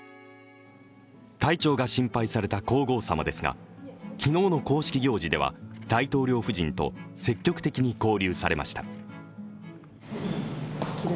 体調が心配された皇后さまですが昨日の公式行事では、大統領夫人と積極的に交流されました。